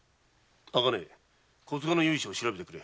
茜小柄の由緒を調べてくれ。